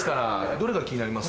どれが気になります？